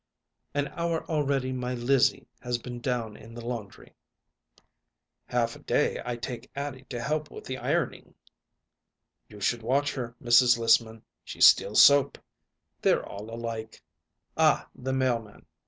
"An hour already my Lizzie has been down in the laundry." "Half a day I take Addie to help with the ironing." "You should watch her, Mrs. Lissman; she steals soap." "They're all alike." "Ah, the mailman.